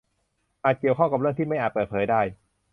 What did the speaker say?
อาจเกี่ยวข้องกับเรื่องที่ไม่อาจเปิดเผยได้